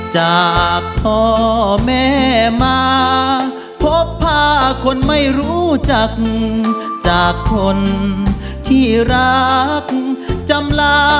จากพ่อแม่มาพบพาคนไม่รู้จักจากคนที่รักจำลา